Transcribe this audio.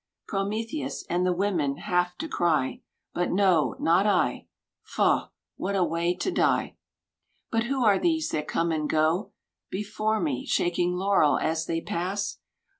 Prometheus and the women have to cry. But no, not I ..• Faugh, what a way to die I But who are these that come and go Before me, shaking laurel as they pass?